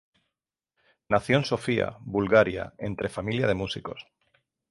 Nació en Sofía, Bulgaria entre familia de músicos.